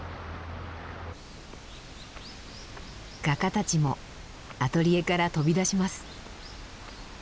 画家たちもアトリエから飛び出します。